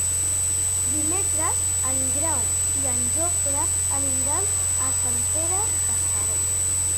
Dimecres en Grau i en Jofre aniran a Sant Pere Pescador.